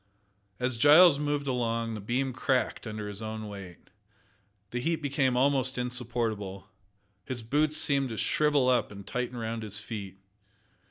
As Giles moved along, the beam cracked under his great weight. The heat became almost insupportable. His boots seemed to shrivel up and tighten round his feet.